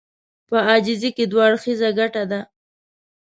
په عاجزي کې دوه اړخيزه ګټه ده.